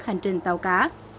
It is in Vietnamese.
hành trình tàu cá